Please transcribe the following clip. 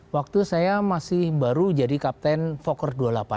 waktu saya masih baru jadi kapten foker dua puluh delapan